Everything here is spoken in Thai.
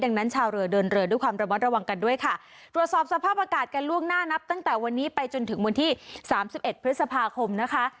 ดังนั้นชาวเรือเดินเรือด้วยความระมัดระวังกันด้วยค่ะตรวจสอบสภาพอากาศกันล่วงหน้านับตั้งแต่วันนี้ไปจนถึงวันที่สามสิบเอ็ดพฤษภาคมนะคะ